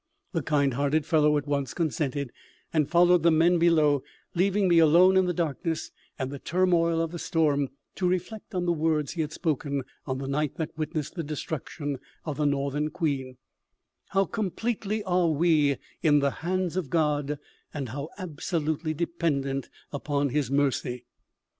The kind hearted fellow at once consented, and followed the men below, leaving me alone in the darkness and the turmoil of the storm to reflect on the words he had spoken on the night that witnessed the destruction of the Northern Queen: "How completely are we in the hands of God, and how absolutely dependent upon His Mercy!"